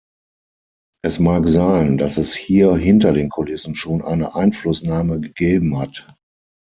Es mag sein, dass es hier hinter den Kulissen schon eine Einflussnahme gegeben hat.